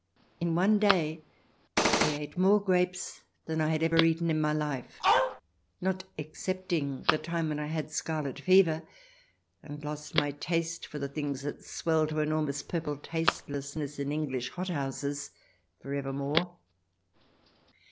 In one day I ate more grapes than I had ever eaten in my life — not excepting the time when I had scarlet fever, and lost my taste for the things that swell to enormous purple tastelessness in English hothouses, for ever more.